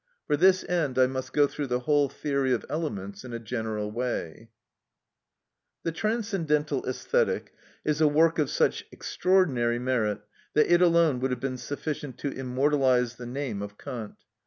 For this end I must go through the whole theory of elements in a general way. ‐‐‐‐‐‐‐‐‐‐‐‐‐‐‐‐‐‐‐‐‐‐‐‐‐‐‐‐‐‐‐‐‐‐‐‐‐ The "Transcendental Æsthetic" is a work of such extraordinary merit that it alone would have been sufficient to immortalise the name of Kant.